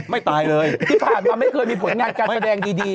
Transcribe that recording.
ตายเลยที่ผ่านมาไม่เคยมีผลงานการแสดงดีดี